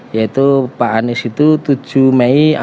yaitu pak anis itu yang terakhir ya